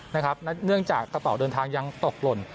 เนื่องจากกระเป๋าเดินทางยังตกหล่น